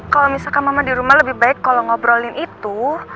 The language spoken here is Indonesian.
kalau misalkan mama di rumah lebih baik kalau ngobrolin itu